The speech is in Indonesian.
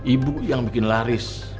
ibu yang bikin laris